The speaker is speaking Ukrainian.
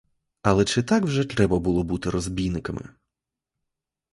Але чи так же вже треба було бути розбійниками?